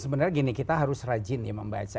sebenarnya gini kita harus rajin ya membaca